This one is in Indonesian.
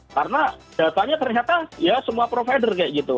karena datanya ternyata ya semua provider kayak gitu